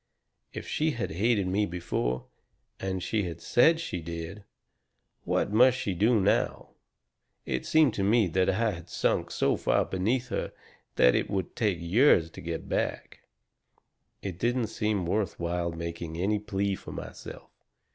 If she had hated me before and she had said she did what must she do now? It seemed to me that I had sunk so far beneath her that it would take years to get back. It didn't seem worth while making any plea for myself.